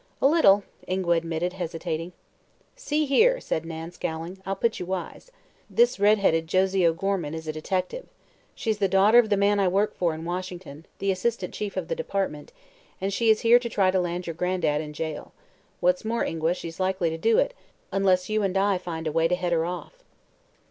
"A little," Ingua admitted, hesitating. "See here," said Nan, scowling, "I'll put you wise. This red headed Josie O'Gorman is a detective. She's the daughter of the man I work for in Washington the assistant chief of the Department and she is here to try to land your gran'dad in jail. What's more, Ingua, she's likely to do it, unless you and I find a way to head her off."